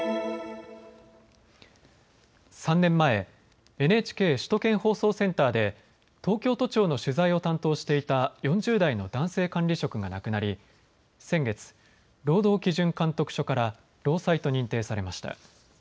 ３年前、ＮＨＫ首都圏放送センターで東京都庁の取材を担当していた４０代の男性管理職が亡くなり先月、労働基準監督署から労災と認定されました。